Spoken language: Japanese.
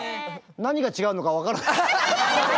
何が違うのか分からなかった。